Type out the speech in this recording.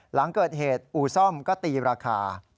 หลังเกิดเหตุอู่ซ่อมก็ตีราคา